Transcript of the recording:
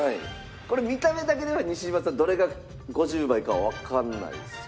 これ見た目だけでは西島さんどれが５０倍かはわかんないですよね。